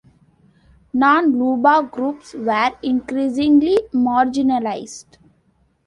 Non-Luba groups were increasingly marginalised.